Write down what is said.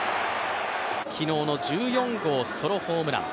昨日の１４号ソロホームラン。